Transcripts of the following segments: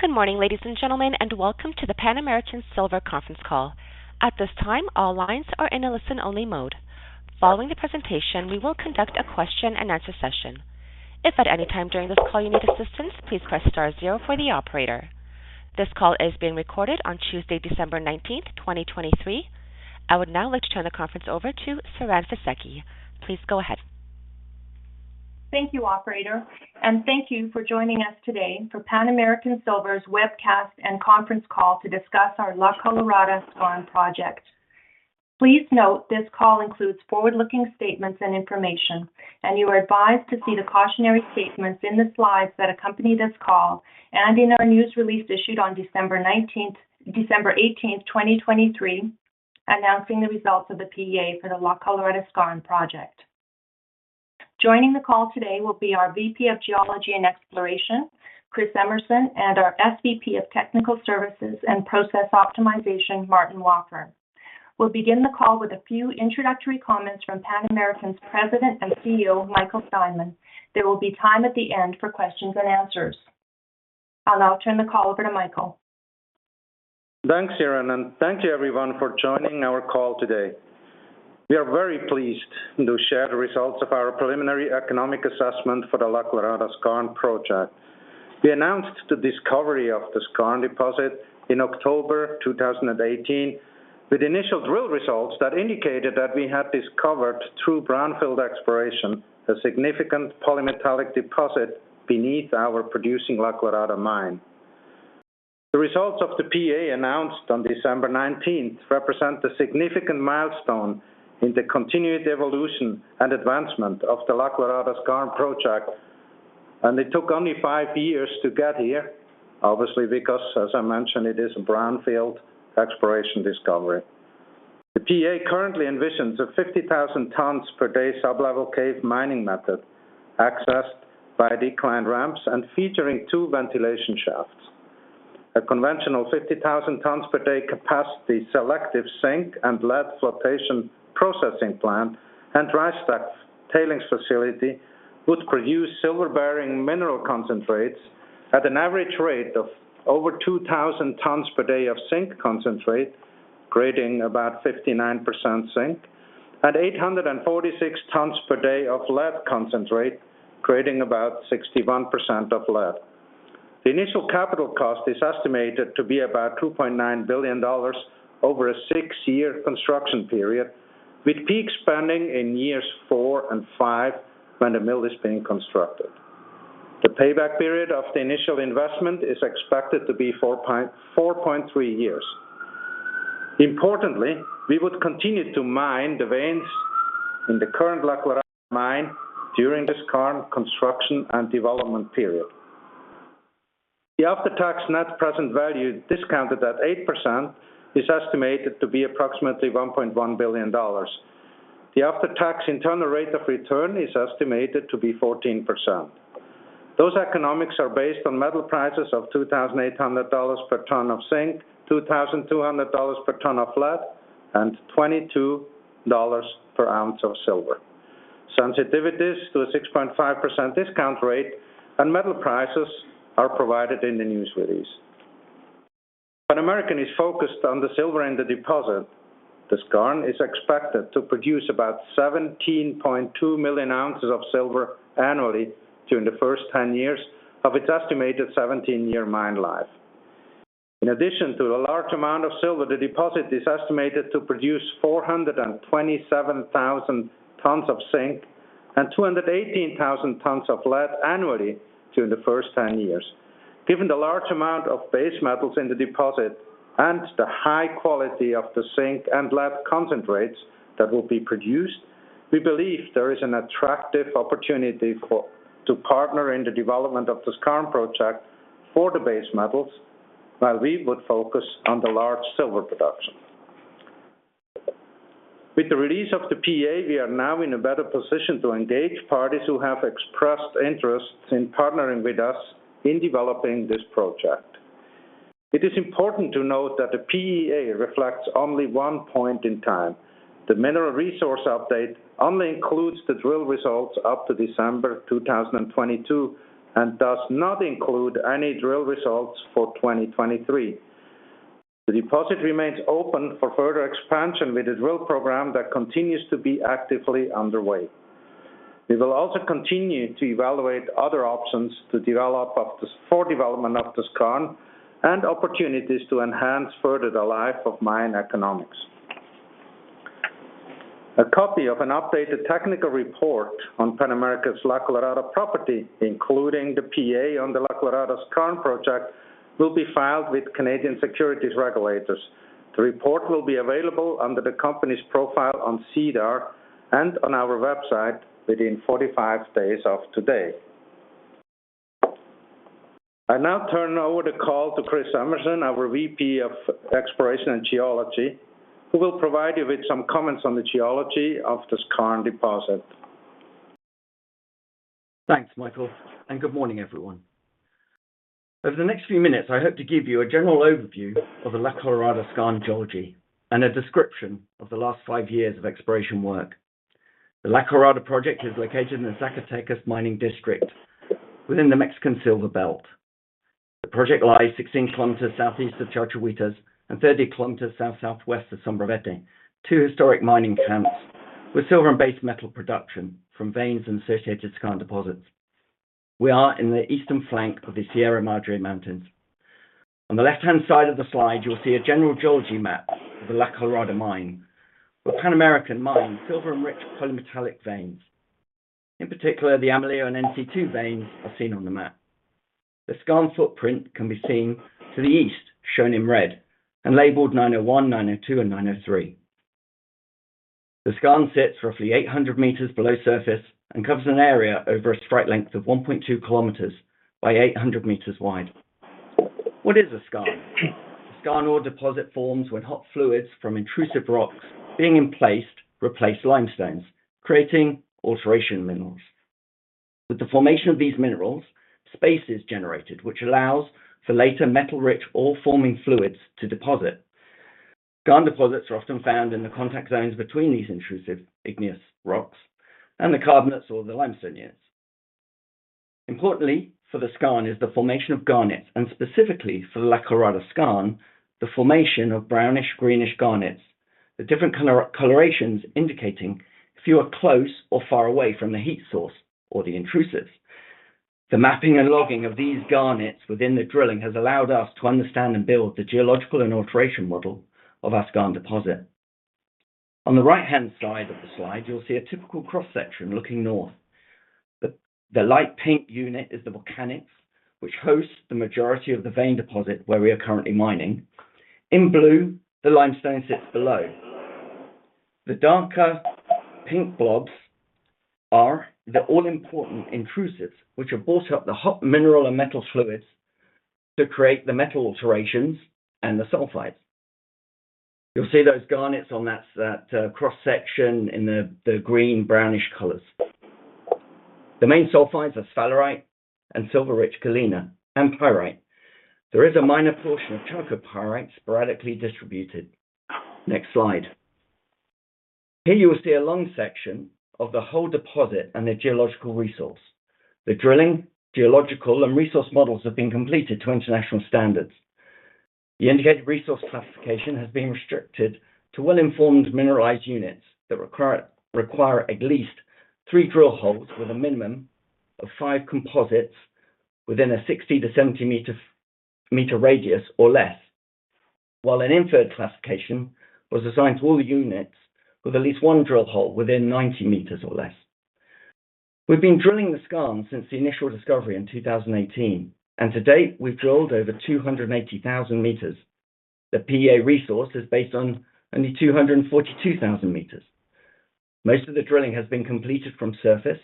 Good morning, ladies and gentlemen, and welcome to the Pan American Silver conference call. At this time, all lines are in a listen-only mode. Following the presentation, we will conduct a question-and-answer session. If at any time during this call you need assistance, please press star zero for the operator. This call is being recorded on Tuesday, December 19th, 2023. I would now like to turn the conference over to Siren Fisekci. Please go ahead. Thank you, operator, and thank you for joining us today for Pan American Silver's webcast and conference call to discuss our La Colorada Skarn project. Please note, this call includes forward-looking statements and information, and you are advised to see the cautionary statements in the slides that accompany this call, and in our news release issued on December 18th, 2023, announcing the results of the PEA for the La Colorada Skarn project. Joining the call today will be our VP of Geology and Exploration, Chris Emerson, and our SVP of Technical Services and Process Optimization, Martin Wafforn. We'll begin the call with a few introductory comments from Pan American's President and CEO, Michael Steinmann. There will be time at the end for questions and answers. I'll now turn the call over to Michael. Thanks, Siren, and thank you everyone for joining our call today. We are very pleased to share the results of our preliminary economic assessment for the La Colorada Skarn project. We announced the discovery of the skarn deposit in October 2018, with initial drill results that indicated that we had discovered, through brownfield exploration, a significant polymetallic deposit beneath our producing La Colorada mine. The results of the PEA, announced on December 19, represent a significant milestone in the continued evolution and advancement of the La Colorada Skarn project, and it took only five years to get here, obviously, because, as I mentioned, it is a brownfield exploration discovery. The PEA currently envisions a 50,000 tons per day sub-level cave mining method, accessed by declined ramps and featuring two ventilation shafts. A conventional 50,000 tons per day capacity, selective zinc and lead flotation processing plant, and dry stack tailings facility, would produce silver-bearing mineral concentrates at an average rate of over 2,000 tons per day of zinc concentrate, grading about 59% zinc, at 846 tons per day of lead concentrate, grading about 61% lead. The initial capital cost is estimated to be about $2.9 billion over a six-year construction period, with peak spending in years 4 and 5 when the mill is being constructed. The payback period of the initial investment is expected to be 4.3 years. Importantly, we would continue to mine the veins in the current La Colorada mine during the skarn construction and development period. The after-tax net present value, discounted at 8%, is estimated to be approximately $1.1 billion. The after-tax internal rate of return is estimated to be 14%. Those economics are based on metal prices of $2,800 per ton of zinc, $2,200 per ton of lead, and $22 per ounce of silver. Sensitivities to a 6.5% discount rate and metal prices are provided in the news release. Pan American is focused on the silver in the deposit. The Skarn is expected to produce about 17.2 million ounces of silver annually during the first 10 years of its estimated 17-year mine life. In addition to the large amount of silver, the deposit is estimated to produce 427,000 tons of zinc and 218,000 tons of lead annually during the first 10 years. Given the large amount of base metals in the deposit and the high quality of the zinc and lead concentrates that will be produced, we believe there is an attractive opportunity to partner in the development of the Skarn project for the base metals, while we would focus on the large silver production. With the release of the PEA, we are now in a better position to engage parties who have expressed interest in partnering with us in developing this project. It is important to note that the PEA reflects only one point in time. The mineral resource update only includes the drill results up to December 2022 and does not include any drill results for 2023. The deposit remains open for further expansion with a drill program that continues to be actively underway. We will also continue to evaluate other options for development of the Skarn and opportunities to enhance further the life-of-mine economics. A copy of an updated technical report on Pan American's La Colorada property, including the PEA on the La Colorada Skarn project, will be filed with Canadian securities regulators. The report will be available under the company's profile on SEDAR and on our website within 45 days of today. I now turn over the call to Chris Emerson, our VP of Exploration and Geology, who will provide you with some comments on the geology of the skarn deposit. Thanks, Michael, and good morning, everyone. Over the next few minutes, I hope to give you a general overview of the La Colorada Skarn geology and a description of the last five years of exploration work. The La Colorada project is located in the Zacatecas mining district, within the Mexican Silver Belt. The project lies 16 kilometers southeast of Chalchihuites, and 30 km south-southwest of Sombrerete, two historic mining camps with silver and base metal production from veins and associated skarn deposits. We are in the eastern flank of the Sierra Madre mountains. On the left-hand side of the slide, you will see a general geology map of the La Colorada mine, where Pan American mines silver and rich polymetallic veins. In particular, the Amolillo and NC2 veins are seen on the map. The Skarn footprint can be seen to the east, shown in red and labeled 901, 902, and 903. The Skarn sits roughly 800 m below surface and covers an area over a strike length of 1.2 km x 800 m wide. What is a skarn? A skarn ore deposit forms when hot fluids from intrusive rocks being in place, replace limestones, creating alteration minerals. With the formation of these minerals, space is generated, which allows for later metal-rich ore-forming fluids to deposit. Skarn deposits are often found in the contact zones between these intrusive igneous rocks and the carbonates or the limestones. Importantly, for the skarn, is the formation of garnets, and specifically for the La Colorada Skarn, the formation of brownish-greenish garnets. The different color, colorations indicating if you are close or far away from the heat source or the intrusives. The mapping and logging of these garnets within the drilling has allowed us to understand and build the geological and alteration model of our Skarn deposit. On the right-hand side of the slide, you'll see a typical cross-section looking north. The light pink unit is the volcanics, which hosts the majority of the vein deposit where we are currently mining. In blue, the limestone sits below. The darker pink blobs are the all-important intrusives, which have brought up the hot mineral and metal fluids to create the metal alterations and the sulfides. You'll see those garnets on that cross-section in the green brownish colors. The main sulfides are sphalerite and silver-rich galena and pyrite. There is a minor portion of chalcopyrite sporadically distributed. Next slide. Here you will see a long section of the whole deposit and the geological resource. The drilling, geological, and resource models have been completed to international standards. The indicated resource classification has been restricted to well-informed mineralized units that require at least three drill holes with a minimum of five composites within a 60-m to 70-m radius or less, while an inferred classification was assigned to all units with at least one drill hole within 90 m or less. We've been drilling the Skarn since the initial discovery in 2018, and to date, we've drilled over 280,000 meters. The PEA resource is based on only 242,000 m. Most of the drilling has been completed from surface.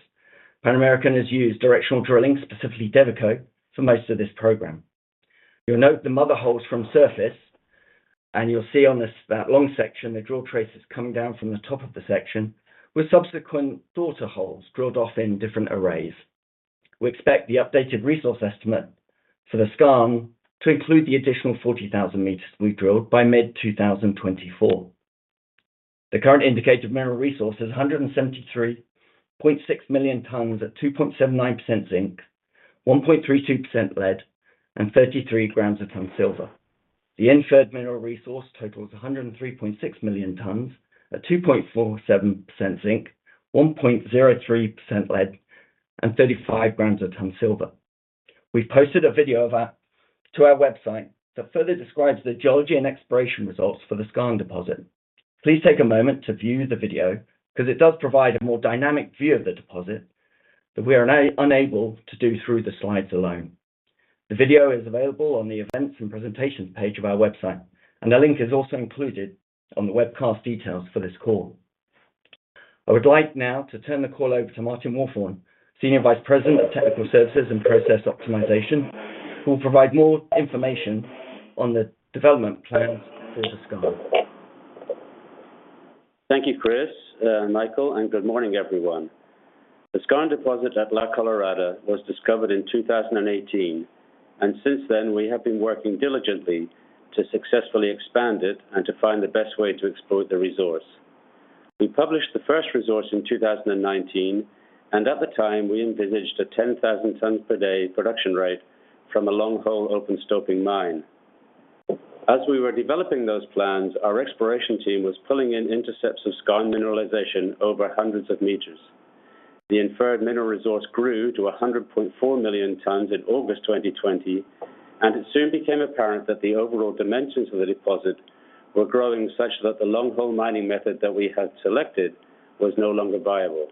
Pan American has used directional drilling, specifically Devico, for most of this program. You'll note the mother holes from surface, and you'll see on this, that long section, the drill traces coming down from the top of the section, with subsequent daughter holes drilled off in different arrays. We expect the updated resource estimate for the Skarn to include the additional 40,000 m we drilled by mid-2024. The current indicated mineral resource is 173.6 million tons at 2.79% zinc, 1.32% lead, and 33 g per ton silver. The inferred mineral resource totals 103.6 million tons at 2.47% zinc, 1.03% lead, and 35 g per ton silver. We've posted a video of that to our website that further describes the geology and exploration results for the skarn deposit. Please take a moment to view the video, 'cause it does provide a more dynamic view of the deposit that we are now unable to do through the slides alone. The video is available on the Events and Presentations page of our website, and the link is also included on the webcast details for this call. I would like now to turn the call over to Martin Wafforn, Senior Vice President of Technical Services and Process Optimization, who will provide more information on the development plans for the Skarn. Thank you, Chris, Michael, and good morning, everyone. The skarn deposit at La Colorada was discovered in 2018, and since then, we have been working diligently to successfully expand it and to find the best way to exploit the resource. We published the first resource in 2019, and at the time, we envisaged a 10,000 tons per day production rate from a long-hole open stoping mine. As we were developing those plans, our exploration team was pulling in intercepts of skarn mineralization over hundreds of meters. The inferred mineral resource grew to 100.4 million tons in August 2020, and it soon became apparent that the overall dimensions of the deposit were growing such that the long hole mining method that we had selected was no longer viable.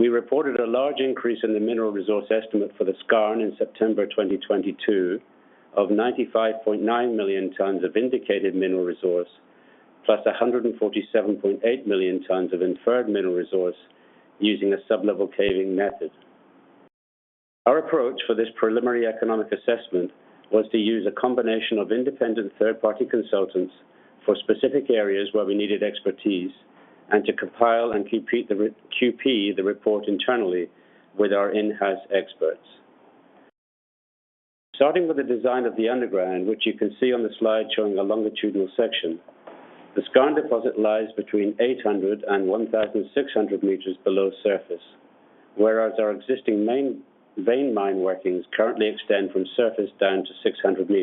We reported a large increase in the mineral resource estimate for the Skarn in September 2022, of 95.9 million tons of indicated mineral resource, plus 147.8 million tons of inferred mineral resource using a sub-level caving method. Our approach for this preliminary economic assessment was to use a combination of independent third-party consultants for specific areas where we needed expertise, and to compile and QP the report internally with our in-house experts. Starting with the design of the underground, which you can see on the slide showing a longitudinal section. The skarn deposit lies between 800 m and 1,600 m below surface, whereas our existing main vein mine workings currently extend from surface down to 600 m.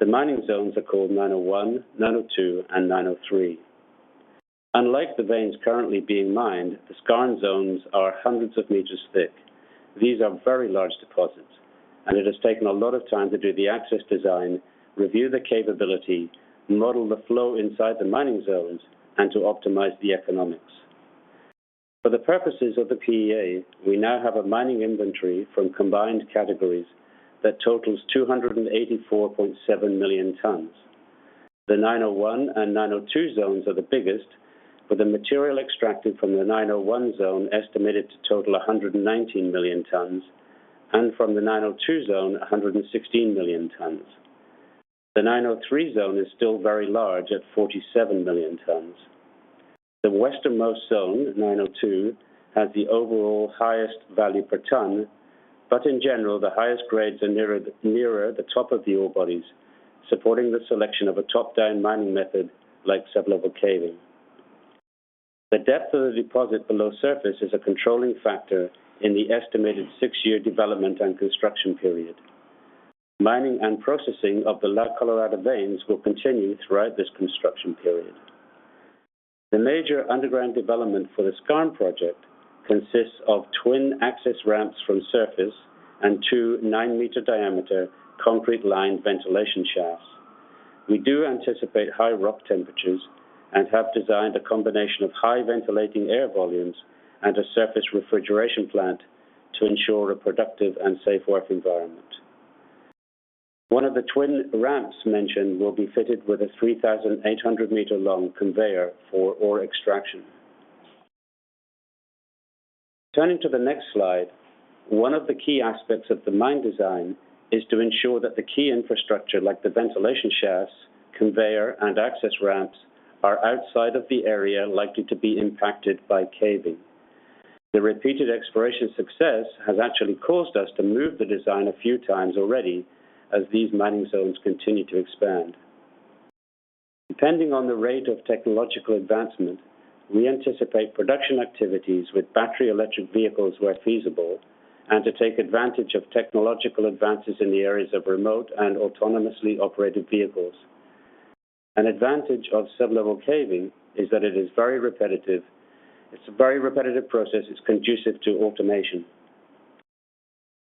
The mining zones are called 901, 902, and 903. Unlike the veins currently being mined, the Skarn zones are hundreds of meters thick. These are very large deposits, and it has taken a lot of time to do the access design, review the capability, model the flow inside the mining zones, and to optimize the economics. For the purposes of the PEA, we now have a mining inventory from combined categories that totals 284.7 million tons. The 901 and 902 zones are the biggest, with the material extracted from the 901 zone estimated to total 119 million tons, and from the 902 zone, 116 million tons. The 903 zone is still very large at 47 million tons. The westernmost zone, 902, has the overall highest value per ton, but in general, the highest grades are nearer, nearer the top of the ore bodies, supporting the selection of a top-down mining method like sub-level caving. The depth of the deposit below surface is a controlling factor in the estimated six-year development and construction period. Mining and processing of the La Colorada veins will continue throughout this construction period. The major underground development for the Skarn project consists of twin access ramps from surface and two nine-m diameter concrete lined ventilation shafts. We do anticipate high rock temperatures and have designed a combination of high ventilating air volumes and a surface refrigeration plant to ensure a productive and safe work environment. One of the twin ramps mentioned will be fitted with a 3,800-m-long conveyor for ore extraction. Turning to the next slide, one of the key aspects of the mine design is to ensure that the key infrastructure, like the ventilation shafts, conveyor, and access ramps, are outside of the area likely to be impacted by caving. The repeated exploration success has actually caused us to move the design a few times already as these mining zones continue to expand. Depending on the rate of technological advancement, we anticipate production activities with battery electric vehicles, where feasible, and to take advantage of technological advances in the areas of remote and autonomously operated vehicles. An advantage of sub-level caving is that it is very repetitive. It's a very repetitive process. It's conducive to automation.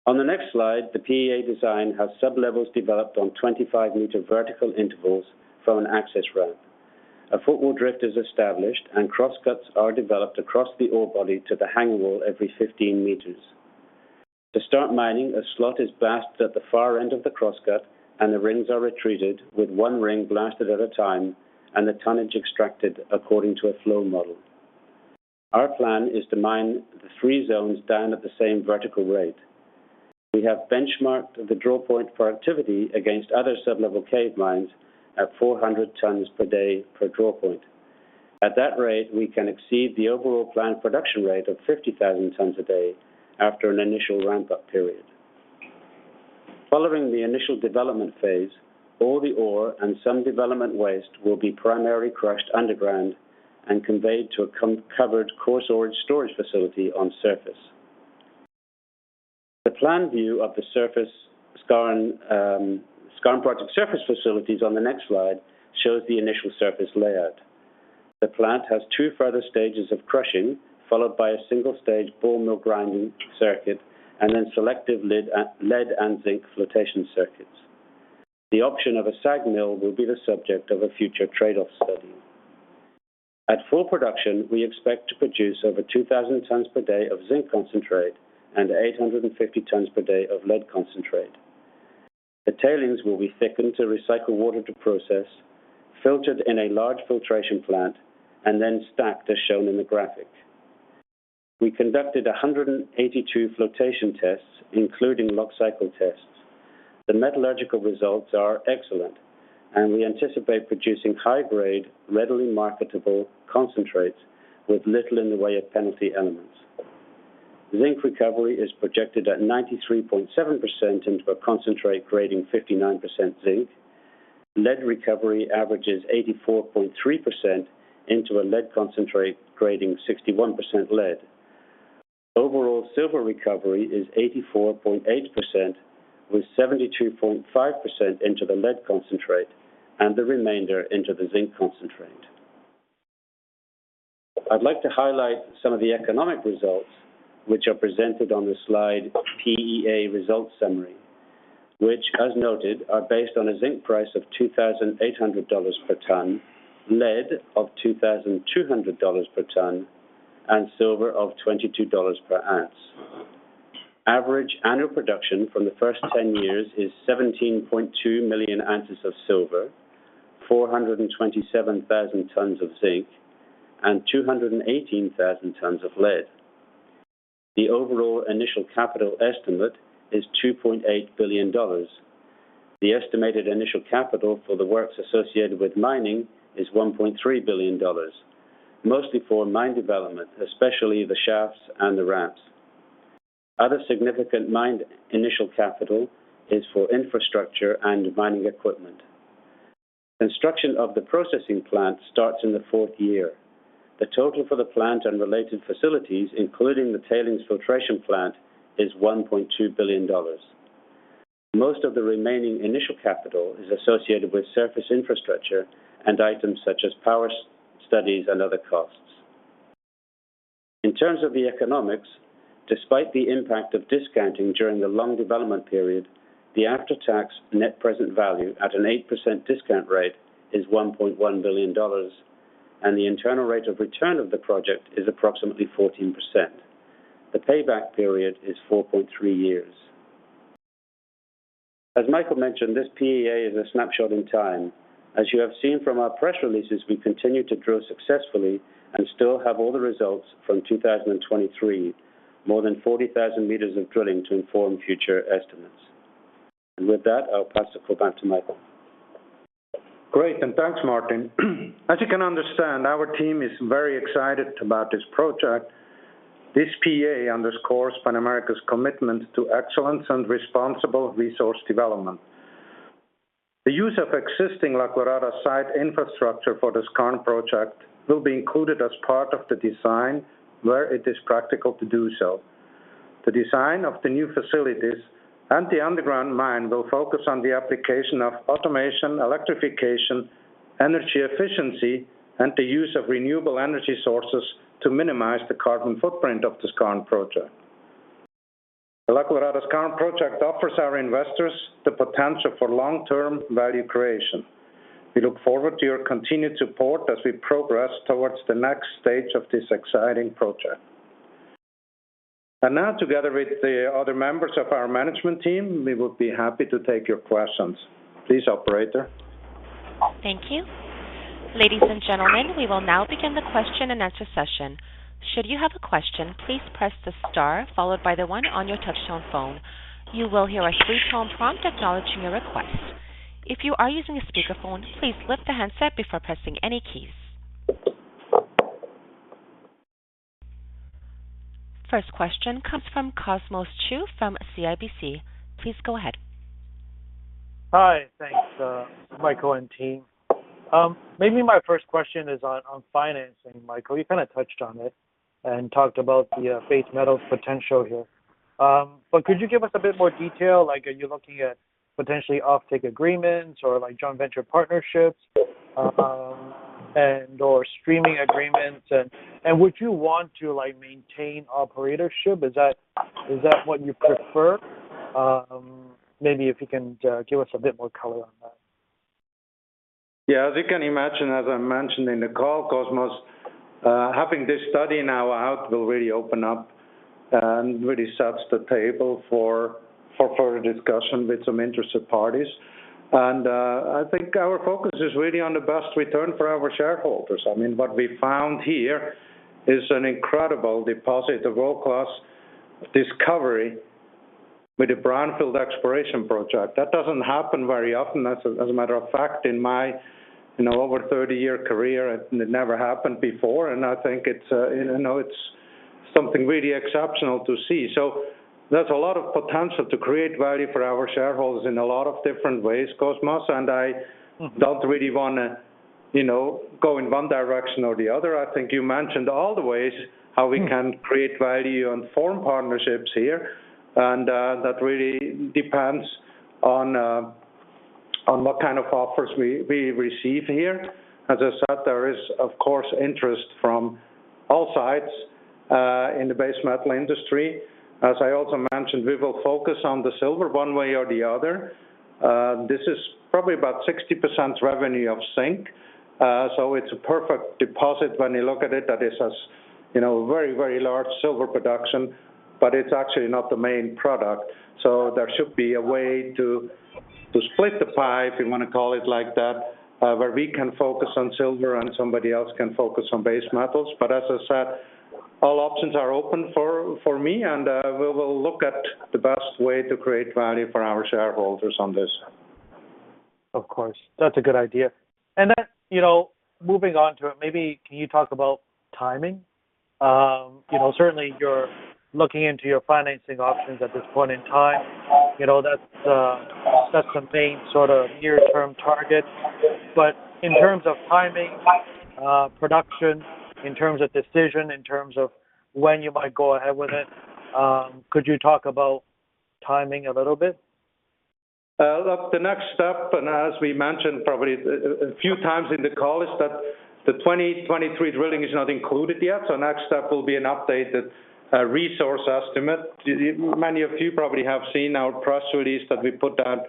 On the next slide, the PEA design has sub-levels developed on 25-m vertical intervals from an access ramp. A footwall drift is established, and crosscuts are developed across the ore body to the hanging wall every 15 m. To start mining, a slot is blasted at the far end of the crosscut, and the rings are retreated with one ring blasted at a time and the tonnage extracted according to a flow model. Our plan is to mine the three zones down at the same vertical rate. We have benchmarked the drawpoint for activity against other sub-level caving mines at 400 tons per day per drawpoint. At that rate, we can exceed the overall plant production rate of 50,000 tons a day after an initial ramp-up period. Following the initial development phase, all the ore and some development waste will be primarily crushed underground and conveyed to a covered coarse ore storage facility on surface. The plan view of the surface Skarn, Skarn project surface facilities on the next slide shows the initial surface layout. The plant has two further stages of crushing, followed by a single-stage ball mill grinding circuit and then selective lead and zinc flotation circuits. The option of a SAG mill will be the subject of a future trade-off study. At full production, we expect to produce over 2,000 tons per day of zinc concentrate and 850 tons per day of lead concentrate. The tailings will be thickened to recycle water to process, filtered in a large filtration plant, and then stacked, as shown in the graphic. We conducted 182 flotation tests, including lock cycle tests. The metallurgical results are excellent, and we anticipate producing high-grade, readily marketable concentrates with little in the way of penalty elements. Zinc recovery is projected at 93.7% into a concentrate grading 59% zinc. Lead recovery averages 84.3% into a lead concentrate grading 61% lead. Overall, silver recovery is 84.8%, with 72.5% into the lead concentrate and the remainder into the zinc concentrate. I'd like to highlight some of the economic results, which are presented on the slide, PEA results summary, which, as noted, are based on a zinc price of $2,800 per ton, lead of $2,200 per ton, and silver of $22 per ounce. Average annual production from the first ten years is 17.2 million oz of silver, 427,000 tons of zinc, and 218,000 tons of lead. The overall initial capital estimate is $2.8 billion. The estimated initial capital for the works associated with mining is $1.3 billion, mostly for mine development, especially the shafts and the ramps. Other significant mine initial capital is for infrastructure and mining equipment. Construction of the processing plant starts in the fourth year. The total for the plant and related facilities, including the tailings filtration plant, is $1.2 billion. Most of the remaining initial capital is associated with surface infrastructure and items such as power studies and other costs. In terms of the economics, despite the impact of discounting during the long development period, the after-tax net present value at an 8% discount rate is $1.1 billion, and the internal rate of return of the project is approximately 14%. The payback period is 4.3 years. As Michael mentioned, this PEA is a snapshot in time. As you have seen from our press releases, we continue to drill successfully and still have all the results from 2023, more than 40,000 m of drilling to inform future estimates. With that, I'll pass it back to Michael. Great, and thanks, Martin. As you can understand, our team is very excited about this project. This PEA underscores Pan American's commitment to excellence and responsible resource development. The use of existing La Colorada site infrastructure for this Skarn project will be included as part of the design, where it is practical to do so. The design of the new facilities and the underground mine will focus on the application of automation, electrification, energy efficiency, and the use of renewable energy sources to minimize the carbon footprint of this Skarn project. The La Colorada Skarn project offers our investors the potential for long-term value creation. We look forward to your continued support as we progress towards the next stage of this exciting project. And now, together with the other members of our management team, we will be happy to take your questions. Please, operator. Thank you. Ladies and gentlemen, we will now begin the question and answer session. Should you have a question, please press the star followed by the one on your touchtone phone. You will hear a three-tone prompt acknowledging your request. If you are using a speakerphone, please lift the handset before pressing any keys. First question comes from Cosmos Chiu from CIBC. Please go ahead. Hi. Thanks, Michael and team. Maybe my first question is on financing, Michael. You kind of touched on it and talked about the base metal potential here. But could you give us a bit more detail? Like, are you looking at potentially offtake agreements or like joint venture partnerships, and/or streaming agreements? And would you want to, like, maintain operatorship? Is that what you prefer? Maybe if you can give us a bit more color on that. Yeah, as you can imagine, as I mentioned in the call, Cosmos, having this study now out will really open up and really sets the table for, for further discussion with some interested parties. I think our focus is really on the best return for our shareholders. I mean, what we found here is an incredible deposit of world-class discovery with a brownfield exploration project. That doesn't happen very often. As a, as a matter of fact, in my over 30-year career, it never happened before, and I think it's, you know, it's something really exceptional to see. So there's a lot of potential to create value for our shareholders in a lot of different ways, Cosmos, and I don't really want to, you know, go in one direction or the other. I think you mentioned all the ways how we can create value and form partnerships here, and that really depends on what kind of offers we receive here. As I said, there is, of course, interest from all sides in the base metal industry. As I also mentioned, we will focus on the silver one way or the other. This is probably about 60% revenue of zinc, so it's a perfect deposit when you look at it, that is, as you know, very, very large silver production, but it's actually not the main product. So there should be a way to split the pie, if you want to call it like that, where we can focus on silver and somebody else can focus on base metals. As I said, all options are open for me, and we will look at the best way to create value for our shareholders on this. Of course. That's a good idea. And then, you know, moving on to it, maybe can you talk about timing? You know, certainly you're looking into your financing options at this point in time. You know, that's the main sort of near-term target. But in terms of timing, production, in terms of decision, in terms of when you might go ahead with it, could you talk about timing a little bit? Look, the next step, and as we mentioned probably a few times in the call, is that the 2023 drilling is not included yet, so next step will be an updated resource estimate. Many of you probably have seen our press release that we put out,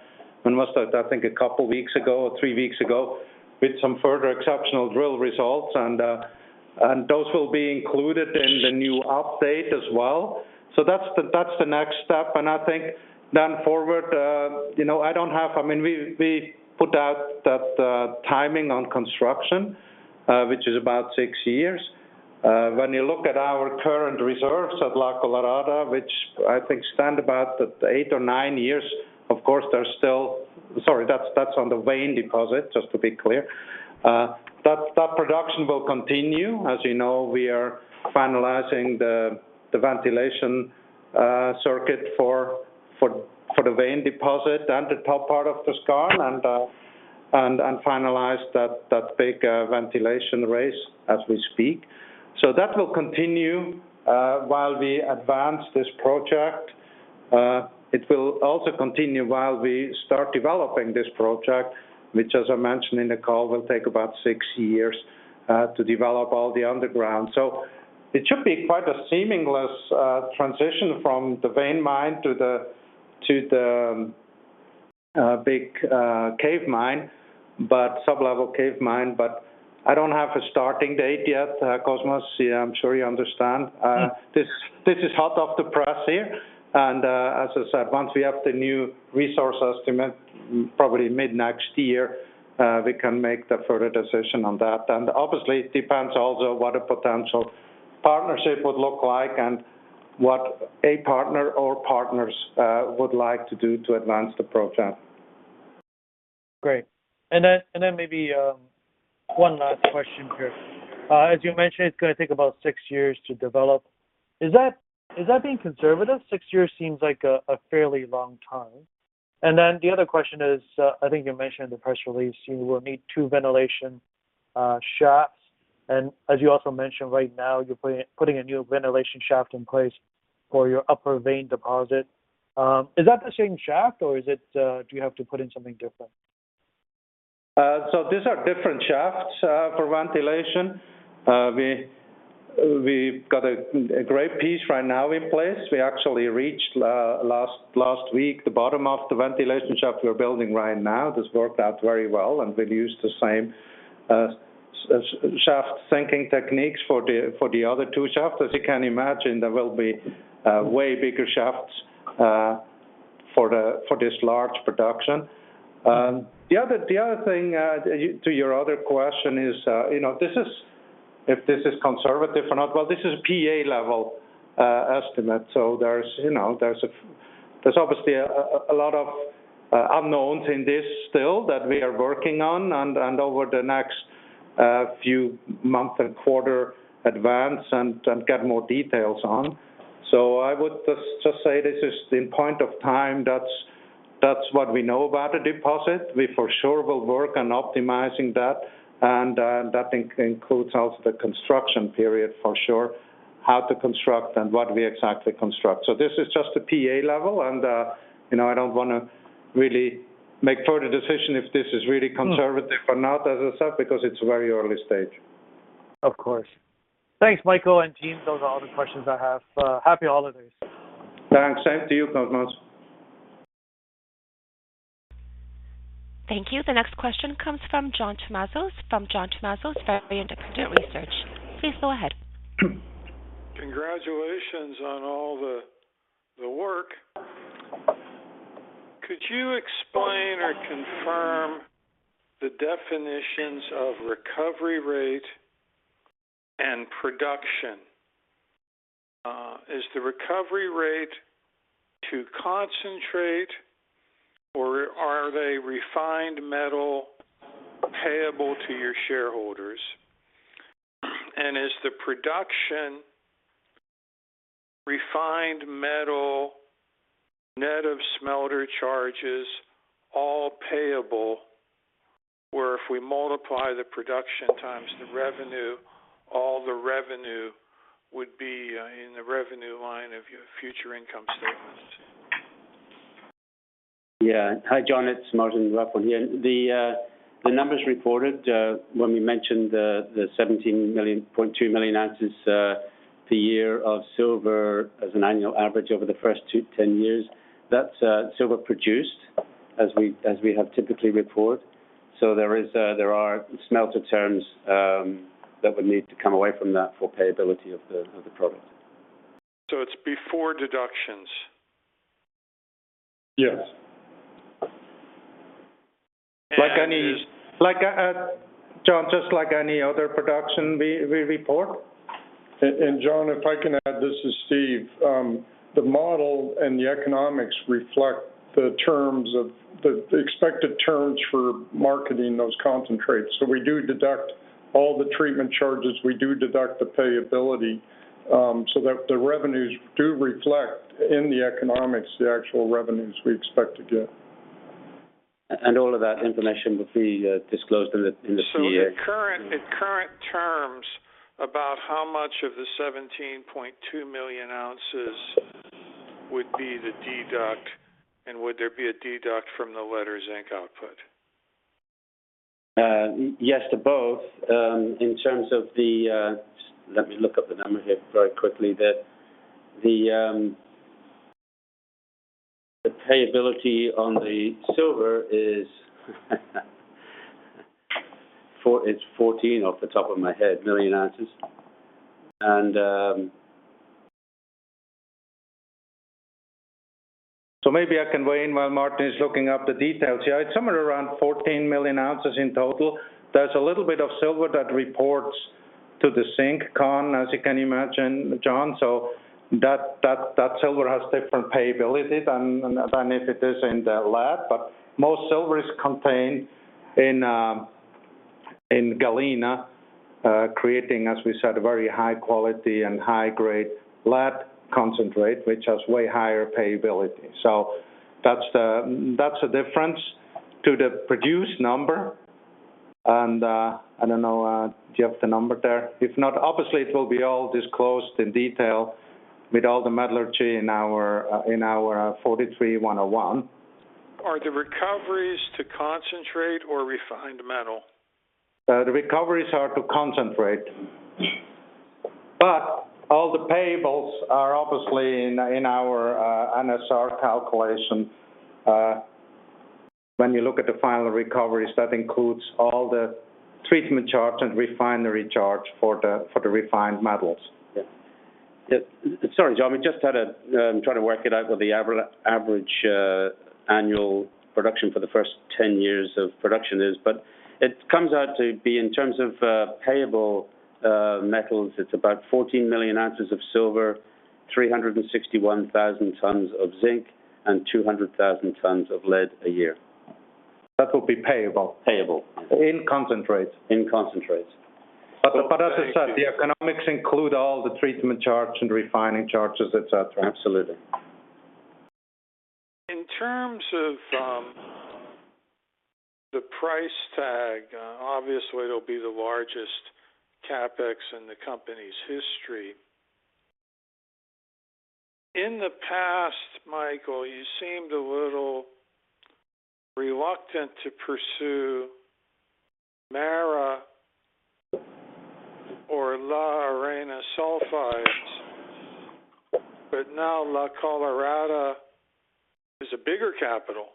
when was that? I think a couple weeks ago or three weeks ago, with some further exceptional drill results, and those will be included in the new update as well. So that's the, that's the next step, and I think then forward, you know, I don't have—I mean, we, we put out that timing on construction, which is about six years. When you look at our current reserves at La Colorada, which I think stand about eight or nine years, of course, they're still—sorry, that's on the vein deposit, just to be clear. That production will continue. As you know, we are finalizing the ventilation circuit for the vein deposit and the top part of the skarn and finalize that big ventilation raise as we speak. So that will continue while we advance this project. It will also continue while we start developing this project, which, as I mentioned in the call, will take about six years to develop all the underground. So it should be quite a seamless transition from the vein mine to the big cave mine, but sub-level cave mine. But I don't have a starting date yet, Cosmos. I'm sure you understand. This, this is hot off the press here, and, as I said, once we have the new resource estimate, probably mid-next year, we can make the further decision on that. And obviously, it depends also what a potential partnership would look like and what a partner or partners would like to do to advance the project. Great. And then maybe one last question here. As you mentioned, it's gonna take about six years to develop. Is that being conservative? Six years seems like a fairly long time. And then the other question is, I think you mentioned in the press release, you will need two ventilation shafts. And as you also mentioned, right now, you're putting a new ventilation shaft in place for your upper vein deposit. Is that the same shaft, or do you have to put in something different? So these are different shafts for ventilation. We’ve got a great piece right now in place. We actually reached last week the bottom of the ventilation shaft we’re building right now. This worked out very well, and we’ll use the same shaft sinking techniques for the other two shafts. As you can imagine, there will be way bigger shafts for this large production. The other thing to your other question is, you know, this is—if this is conservative or not, well, this is a PEA-level estimate, so there’s, you know, there’s obviously a lot of unknowns in this still that we are working on and over the next few month and quarter advance and get more details on. So I would just, just say this is the point of time. That's, that's what we know about the deposit. We for sure will work on optimizing that, and that includes also the construction period for sure, how to construct and what we exactly construct. So this is just a PEA level and, you know, I don't want to really make further decision if this is really conservative or not, as I said, because it's very early stage. Of course. Thanks, Michael and team. Those are all the questions I have. Happy holidays. Thanks. Same to you, Cosmos. Thank you. The next question comes from John Tumazos from John Tumazos Very Independent Research. Please go ahead. Congratulations on all the, the work. Could you explain or confirm the definitions of recovery rate and production? Is the recovery rate to concentrate or are they refined metal payable to your shareholders? And is the production refined metal, net of smelter charges, all payable, where if we multiply the production times the revenue, all the revenue would be in the revenue line of your future income statements? Yeah. Hi, John, it's Martin Wafforn here. The numbers reported, when we mentioned the 17.2 million oz per year of silver as an annual average over the first 10 years, that's silver produced as we have typically report. So there is a, there are smelter terms that would need to come away from that for payability of the product. It's before deductions? Yes. Like, John, just like any other production we report. And John, if I can add, this is Steve. The model and the economics reflect the terms of the, the expected terms for marketing those concentrates. So we do deduct all the treatment charges, we do deduct the payability, so that the revenues do reflect in the economics, the actual revenues we expect to get. And all of that information will be disclosed in the PEA? So in current terms, about how much of the 17.2 million oz would be the deduct, and would there be a deduct from the lead or zinc output? Yes, to both. In terms of the, let me look up the number here very quickly. The payable on the silver is, it's 14, off the top of my head, million oz. And— So maybe I can weigh in while Martin is looking up the details here. It's somewhere around 14 million oz in total. There's a little bit of silver that reports to the zinc con, as you can imagine, John, so that silver has different payability than if it is in the lead. But most silver is contained in galena, creating, as we said, a very high quality and high-grade lead concentrate, which has way higher payability. So that's the difference to the produced number. And I don't know, do you have the number there? If not, obviously, it will be all disclosed in detail with all the metallurgy in our 43-101. Are the recoveries to concentrate or refined metal? The recoveries are to concentrate. But all the payables are obviously in our NSR calculation. When you look at the final recoveries, that includes all the treatment charge and refinery charge for the refined metals. Yeah. Sorry, John, we just had to try to work it out with the average annual production for the first 10 years of production is. But it comes out to be in terms of payable metals, it's about 14 million oz of silver, 361,000 tons of zinc, and 200,000 tons of lead a year. That will be payable? Payable. In concentrates? In concentrates. But as I said, the economics include all the treatment charge and refining charges, et cetera. Absolutely. In terms of the price tag, obviously, it'll be the largest CapEx in the company's history. In the past, Michael, you seemed a little reluctant to pursue Mara or La Arena sulfides, but now La Colorada is a bigger capital.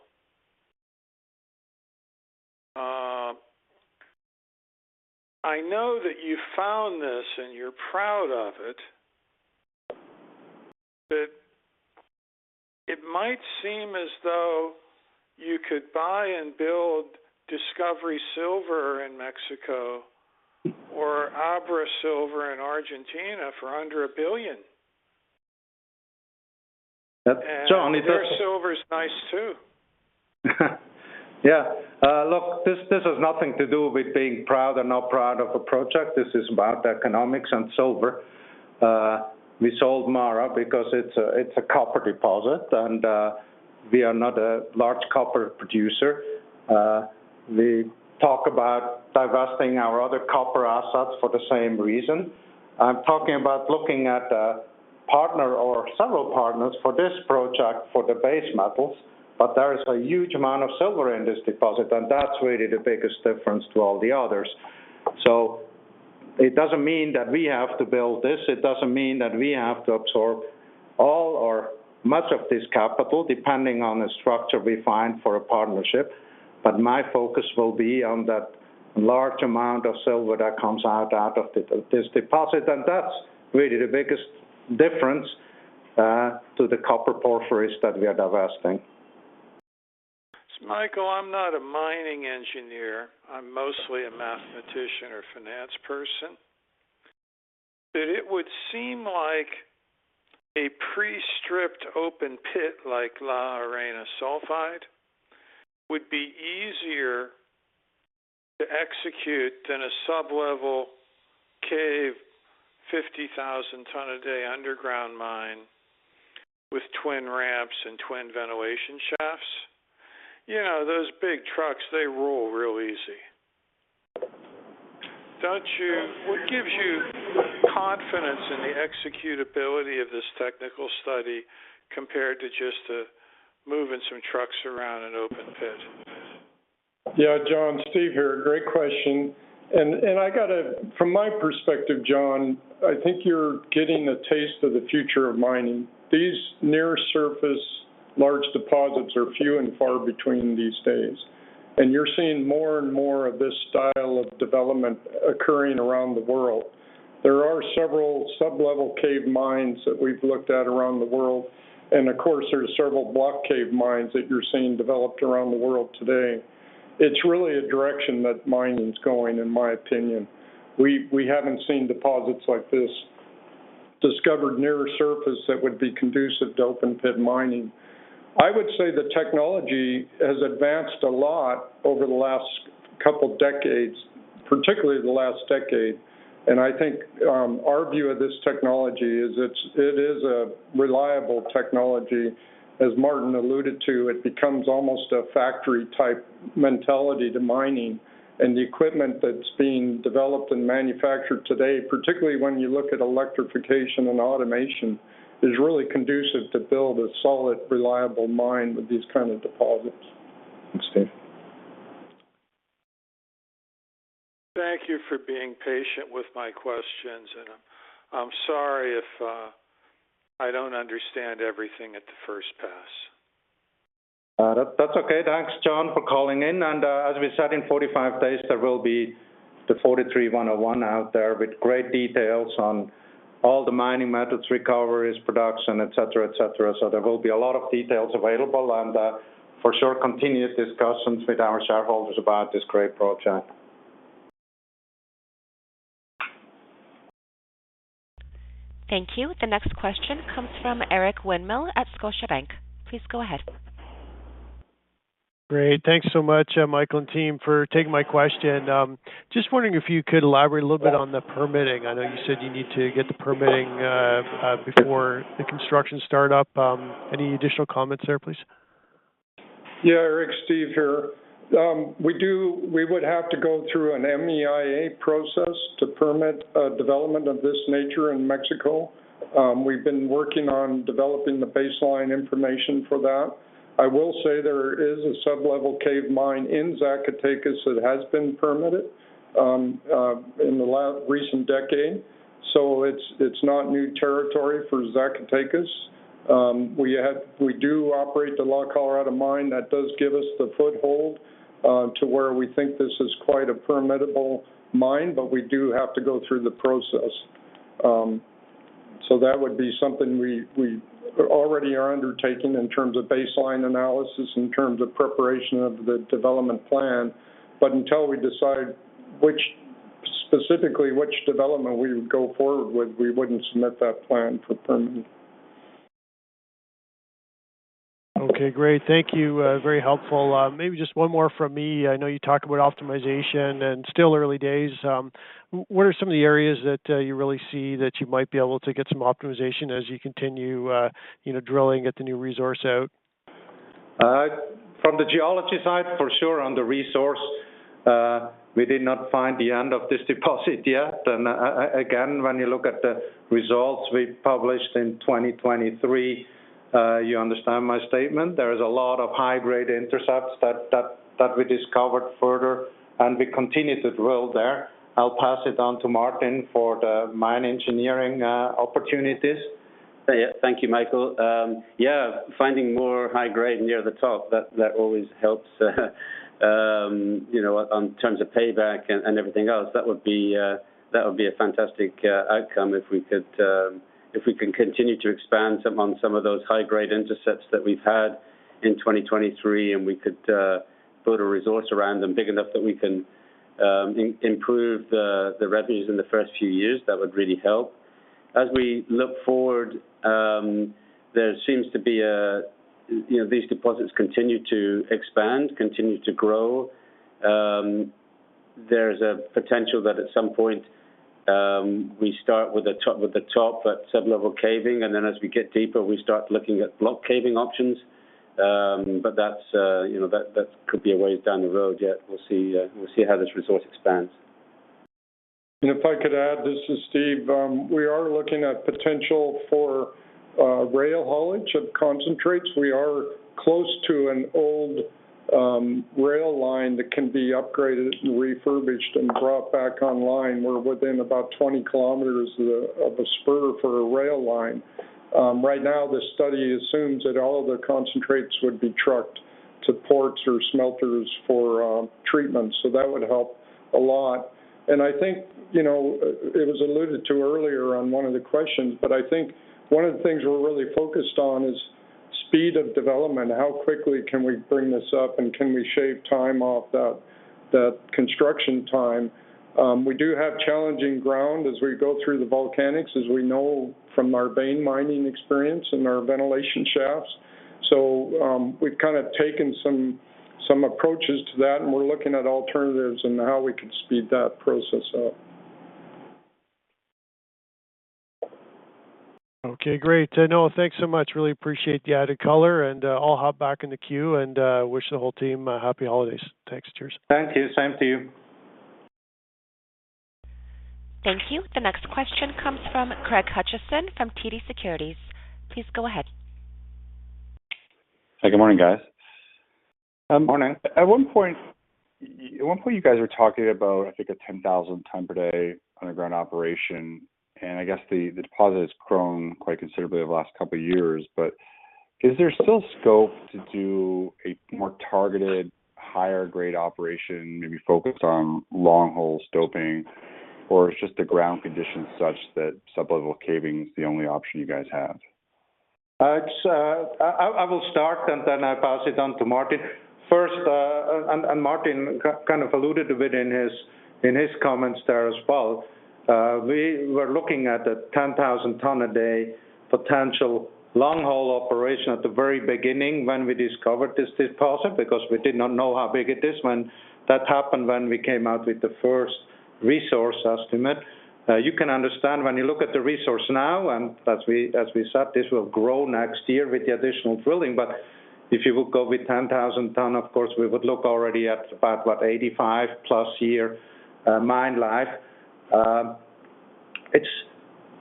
I know that you found this, and you're proud of it, but it might seem as though you could buy and build Discovery Silver in Mexico or Abra Silver in Argentina for under $1 billion. Their silver is nice, too. Yeah. Look, this has nothing to do with being proud or not proud of a project. This is about economics and silver. We sold Mara because it's a copper deposit, and we are not a large copper producer. We talk about divesting our other copper assets for the same reason. I'm talking about looking at a partner or several partners for this project, for the base metals, but there is a huge amount of silver in this deposit, and that's really the biggest difference to all the others. So it doesn't mean that we have to build this. It doesn't mean that we have to absorb all or much of this capital, depending on the structure we find for a partnership, but my focus will be on that large amount of silver that comes out of this deposit, and that's really the biggest difference to the copper porphyries that we are divesting. Michael, I'm not a mining engineer. I'm mostly a mathematician or finance person, but it would seem like a pre-stripped open pit like La Arena Sulfide would be easier to execute than a sub-level cave 50,000-ton-a-day underground mine with twin ramps and twin ventilation shafts. You know, those big trucks, they roll real easy. Don't you... What gives you confidence in the executability of this technical study compared to just moving some trucks around an open pit? Yeah, John, Steve here. Great question, and from my perspective, John, I think you're getting a taste of the future of mining. These near-surface large deposits are few and far between these days, and you're seeing more and more of this style of development occurring around the world. There are several sublevel cave mines that we've looked at around the world, and of course, there are several block cave mines that you're seeing developed around the world today. It's really a direction that mining is going, in my opinion. We haven't seen deposits like this discovered near the surface that would be conducive to open-pit mining. I would say the technology has advanced a lot over the last couple decades, particularly the last decade, and I think our view of this technology is it is a reliable technology. As Martin alluded to, it becomes almost a factory-type mentality to mining, and the equipment that's being developed and manufactured today, particularly when you look at electrification and automation, is really conducive to build a solid, reliable mine with these kind of deposits. Thanks, Steve. Thank you for being patient with my questions, and I'm sorry if I don't understand everything at the first pass. That, that's okay. Thanks, John, for calling in, and, as we said, in 45 days, there will be the 43-101 out there with great details on all the mining methods, recoveries, production, et cetera, et cetera. So there will be a lot of details available, and, for sure, continued discussions with our shareholders about this great project. Thank you. The next question comes from Eric Winmill at Scotiabank. Please go ahead. Great. Thanks so much, Michael and team, for taking my question. Just wondering if you could elaborate a little bit on the permitting? I know you said you need to get the permitting before the construction start up. Any additional comments there, please? Yeah, Eric, Steve here. We would have to go through an MEIA process to permit a development of this nature in Mexico. We've been working on developing the baseline information for that. I will say there is a sub-level caving mine in Zacatecas that has been permitted in the last recent decade, so it's not new territory for Zacatecas. We do operate the La Colorada mine. That does give us the foothold to where we think this is quite a permissible mine, but we do have to go through the process. So that would be something we already are undertaking in terms of baseline analysis, in terms of preparation of the development plan, but until we decide which, specifically which development we would go forward with, we wouldn't submit that plan for permitting. Okay, great. Thank you. Very helpful. Maybe just one more from me. I know you talked about optimization and still early days. What are some of the areas that you really see that you might be able to get some optimization as you continue, you know, drilling, get the new resource out? From the geology side, for sure, on the resource, we did not find the end of this deposit yet. And again, when you look at the results we published in 2023, you understand my statement. There is a lot of high-grade intercepts that we discovered further, and we continue to drill there. I'll pass it on to Martin for the mine engineering opportunities. Yeah. Thank you, Michael. Yeah, finding more high grade near the top, that, that always helps, you know, in terms of payback and, and everything else. That would be, that would be a fantastic outcome if we could, if we can continue to expand some on some of those high-grade intercepts that we've had in 2023, and we could, build a resource around them, big enough that we can, improve the, the revenues in the first few years. That would really help. As we look forward, there seems to be a, you know, these deposits continue to expand, continue to grow. There's a potential that at some point, we start with the top, with the top at sub-level caving, and then as we get deeper, we start looking at block caving options. But that's, you know, that, that could be a way down the road, yet we'll see, we'll see how this resource expands. And if I could add, this is Steve. We are looking at potential for rail haulage of concentrates. We are close to an old rail line that can be upgraded and refurbished and brought back online. We're within about 20 km of a spur for a rail line. Right now, the study assumes that all of the concentrates would be trucked to ports or smelters for treatment, so that would help a lot. And I think, you know, it was alluded to earlier on one of the questions, but I think one of the things we're really focused on is speed of development, how quickly can we bring this up, and can we shave time off that construction time? We do have challenging ground as we go through the volcanics, as we know from our vein mining experience and our ventilation shafts. So, we've kind of taken some approaches to that, and we're looking at alternatives and how we can speed that process up. Okay, great. No, thanks so much. Really appreciate the added color, and I'll hop back in the queue and wish the whole team a happy holidays. Thanks. Cheers. Thank you. Same to you. Thank you. The next question comes from Craig Hutchison from TD Securities. Please go ahead. Hi, good morning, guys. Good morning. At one point, you guys were talking about, I think, a 10,000 ton per day underground operation, and I guess the deposit has grown quite considerably over the last couple of years. But is there still scope to do a more targeted, higher grade operation, maybe focused on long-hole stoping, or is just the ground condition such that sub-level caving is the only option you guys have? I will start, and then I pass it on to Martin. First, and Martin kind of alluded a bit in his comments there as well. We were looking at a 10,000-ton-a-day potential long-haul operation at the very beginning when we discovered this deposit because we did not know how big it is when that happened, when we came out with the first resource estimate. You can understand when you look at the resource now, and as we said, this will grow next year with the additional drilling, but if you would go with 10,000 ton, of course, we would look already at about, what, 85+-year mine life.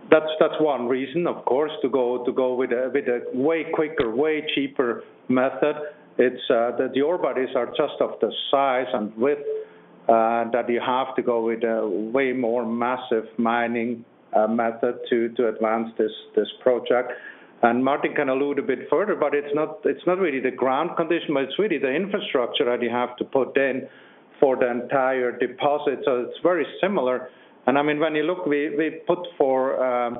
That's one reason, of course, to go with a way quicker, way cheaper method. It's that the ore bodies are just of the size and width that you have to go with a way more massive mining method to advance this project. And Martin can allude a bit further, but it's not really the ground condition, but it's really the infrastructure that you have to put in for the entire deposit. So it's very similar. And I mean, when you look, we put for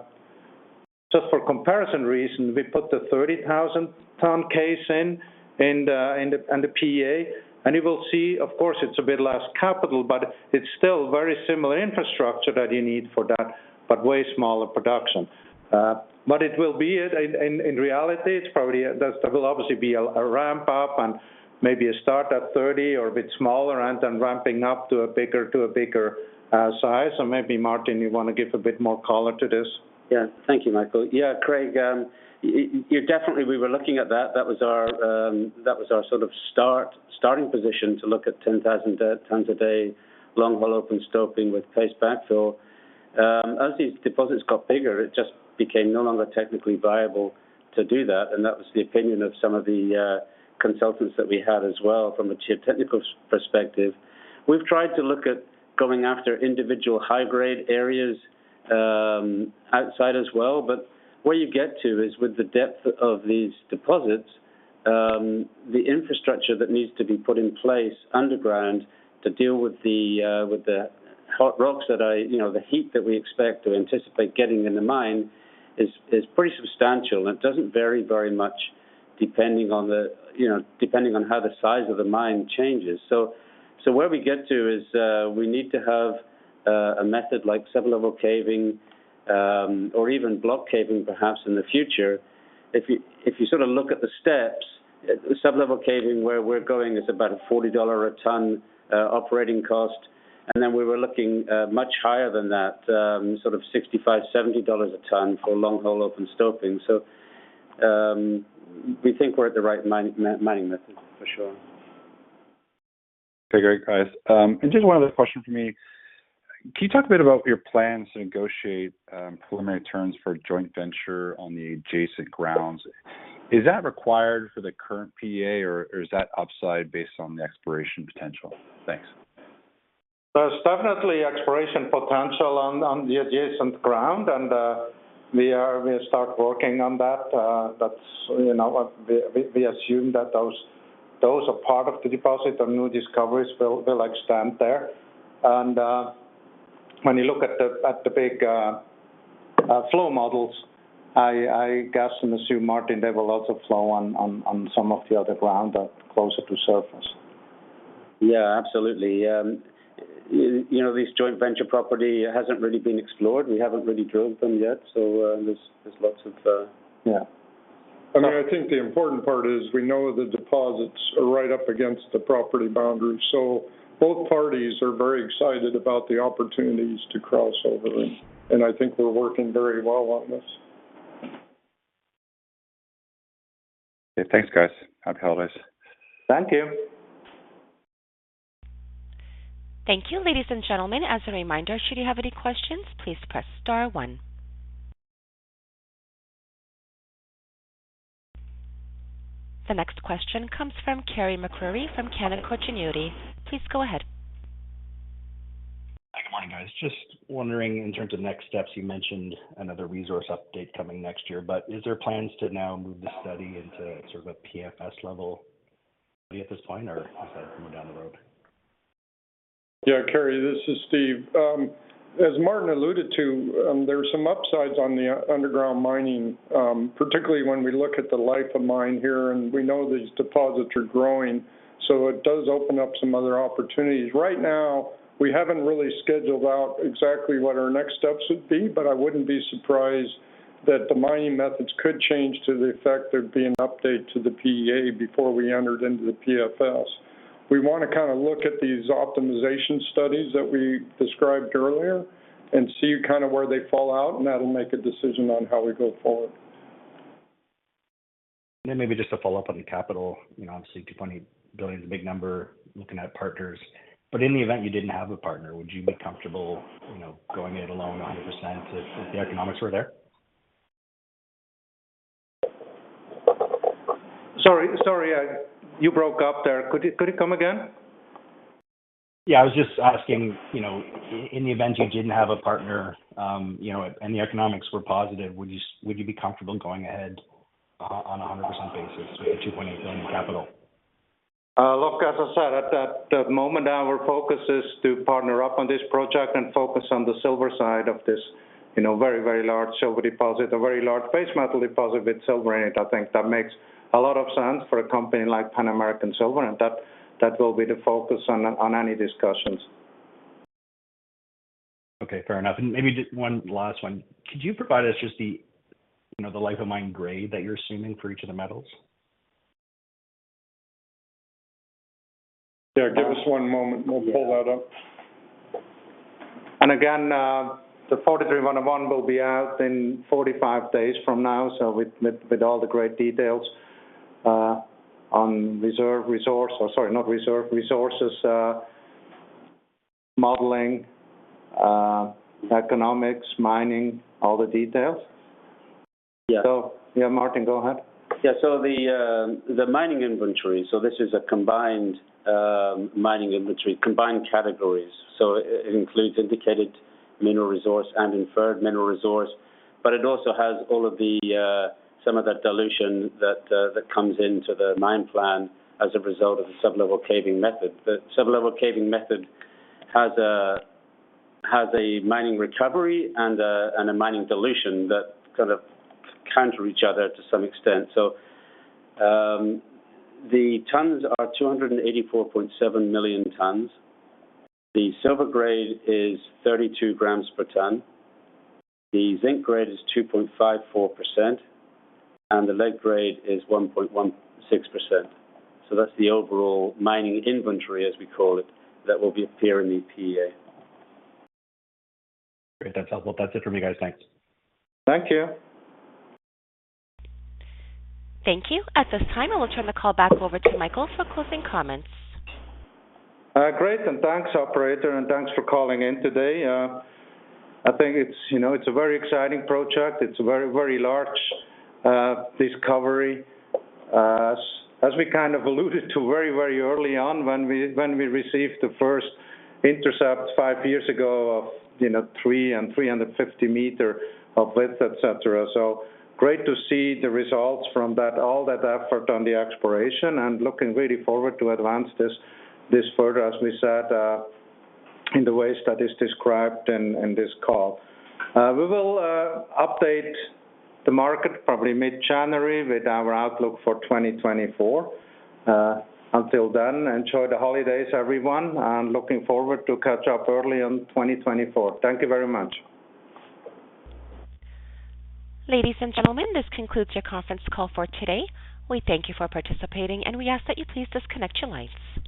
just for comparison reasons, we put the 30,000-ton case in the PEA. And you will see, of course, it's a bit less capital, but it's still very similar infrastructure that you need for that, but way smaller production. But it will be it... In reality, it's probably that there will obviously be a ramp up and maybe a start at 30 or a bit smaller, and then ramping up to a bigger size. So maybe Martin, you want to give a bit more color to this? Yeah. Thank you, Michael. Yeah, Craig, you definitely we were looking at that. That was our, that was our sort of starting position to look at 10,000 tons a day, long-hole open stoping with paste backfill. As these deposits got bigger, it just became no longer technically viable to do that, and that was the opinion of some of the consultants that we had as well, from a technical perspective. We've tried to look at going after individual high-grade areas, outside as well, but where you get to is with the depth of these deposits, the infrastructure that needs to be put in place underground to deal with the, with the hot rocks that I, you know, the heat that we expect or anticipate getting in the mine is, is pretty substantial. It doesn't vary very much depending on the, you know, depending on how the size of the mine changes. So where we get to is we need to have a method like sub-level caving or even block caving, perhaps in the future. If you sort of look at the steps, sub-level caving, where we're going, is about $40 a ton operating cost. And then we were looking much higher than that, sort of $65, $70 a ton for long-hole open stoping. So we think we're at the right mining method, for sure. Okay, great, guys. Just one other question from me. Can you talk a bit about your plans to negotiate preliminary terms for joint venture on the adjacent grounds? Is that required for the current PEA, or is that upside based on the exploration potential? Thanks. There's definitely exploration potential on the adjacent ground, and we start working on that. That's, you know, we assume that those are part of the deposit and new discoveries will extend there. When you look at the big flow models, I guess and assume, Martin, there will also flow on some of the other ground closer to surface. Yeah, absolutely. You know, this joint venture property hasn't really been explored. We haven't really drilled them yet, so there's lots of... Yeah. I mean, I think the important part is we know the deposits are right up against the property boundaries, so both parties are very excited about the opportunities to cross over, and I think we're working very well on this. Yeah. Thanks, guys. Happy holidays. Thank you. Thank you, ladies and gentlemen. As a reminder, should you have any questions, please press star one. The next question comes from Carey MacRury from Canaccord Genuity. Please go ahead. Hi, good morning, guys. Just wondering, in terms of next steps, you mentioned another resource update coming next year, but is there plans to now move the study into sort of a PFS level at this point or is that coming down the road? Yeah, Kerry, this is Steve. As Martin alluded to, there are some upsides on the underground mining, particularly when we look at the life-of-mine here, and we know these deposits are growing, so it does open up some other opportunities. Right now, we haven't really scheduled out exactly what our next steps would be, but I wouldn't be surprised that the mining methods could change to the effect of being an update to the PEA before we entered into the PFS. We want to kind of look at these optimization studies that we described earlier and see kind of where they fall out, and that'll make a decision on how we go forward. Maybe just to follow up on the capital, you know, obviously, $2.8 billion is a big number, looking at partners, but in the event you didn't have a partner, would you be comfortable, you know, going it alone 100% if the economics were there? Sorry, sorry. You broke up there. Could it come again? Yeah, I was just asking, you know, in the event you didn't have a partner, you know, and the economics were positive, would you be comfortable going ahead on a 100% basis with a $2.8 billion capital? Look, as I said, at that moment, our focus is to partner up on this project and focus on the silver side of this, you know, very, very large silver deposit. A very large base metal deposit with silver in it. I think that makes a lot of sense for a company like Pan American Silver, and that will be the focus on any discussions. Okay, fair enough. Maybe just one last one. Could you provide us just the, you know, the life-of-mine grade that you're assuming for each of the metals? Yeah, give us one moment. We'll pull that up. And again, the 43-101 will be out in 45 days from now. So with all the great details on reserve resource, or sorry, not reserve resources, modeling, economics, mining, all the details. So, yeah, Martin, go ahead. Yeah, so the mining inventory, so this is a combined mining inventory, combined categories. So it includes indicated mineral resource and inferred mineral resource, but it also has all of the some of that dilution that comes into the mine plan as a result of the sub-level caving method. The sub-level caving method has a mining recovery and a mining dilution that kind of counter each other to some extent. So the tons are 284.7 million tons. The silver grade is 32 g per ton. The zinc grade is 2.54%, and the lead grade is 1.16%. So that's the overall mining inventory, as we call it, that will appear in the PEA. Great. That's helpful. That's it for me, guys. Thanks. Thank you. Thank you. At this time, I will turn the call back over to Michael for closing comments. Great, and thanks, operator, and thanks for calling in today. I think it's, you know, it's a very exciting project. It's a very, very large discovery. As, as we kind of alluded to very, very early on when we, when we received the first intercept five years ago of, you know, 300 m and 350 m of width, et cetera. So great to see the results from that... all that effort on the exploration, and looking really forward to advance this, this further, as we said, in the ways that is described in, in this call. We will update the market probably mid-January with our outlook for 2024. Until then, enjoy the holidays, everyone, and looking forward to catch up early in 2024. Thank you very much. Ladies and gentlemen, this concludes your conference call for today. We thank you for participating, and we ask that you please disconnect your lines.